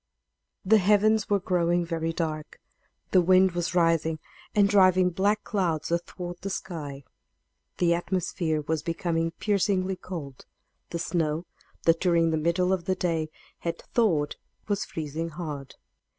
The heavens were growing very dark; the wind was rising and driving black clouds athwart the sky; the atmosphere was becoming piercingly cold; the snow, that during the middle of the day had thawed, was freezing hard.